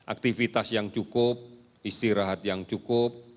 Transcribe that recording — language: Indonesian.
aktivitas yang cukup istirahat yang cukup